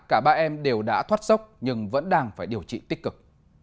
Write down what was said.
cả ba em đều đã thoát sốc nhưng vẫn đang phải điều trị tích cực